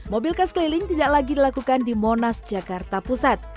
mobil kas keliling tidak lagi dilakukan di monas jakarta pusat